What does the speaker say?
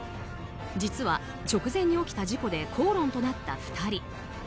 実は、直前に起きた事故で口論となった２人。